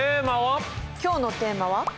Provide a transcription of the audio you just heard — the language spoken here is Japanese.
今日のテーマは？